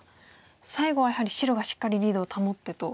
最後はやはり白がしっかりリードを保ってと。